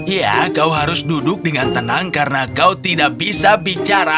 ya kau harus duduk dengan tenang karena kau tidak bisa bicara